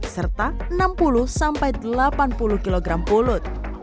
serta enam puluh sampai delapan puluh kg pulut